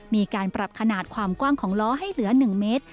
มีการปรับขนาดความกว้างของล้อให้เหลือ๑เมตร